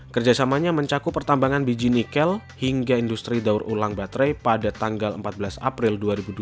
kerjasamanya mencakup pertambangan biji nikel hingga industri daur ulang baterai pada tanggal empat belas april dua ribu dua puluh